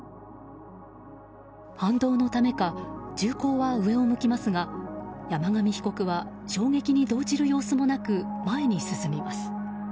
反動のためか銃口は上を向きますが山上被告は衝撃に動じる様子もなく前に進みます。